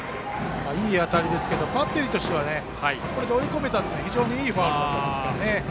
いい当たりですけどバッテリーとしてはこれで追い込めたので非常にいいファウルだったと思います。